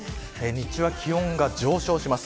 日中は気温が上昇します。